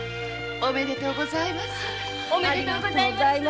ありがとうございます。